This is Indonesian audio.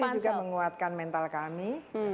kita berterima kasih juga menguatkan mental kami